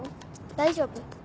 大丈夫？